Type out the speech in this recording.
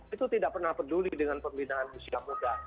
itu tidak pernah peduli dengan pembinaan usia muda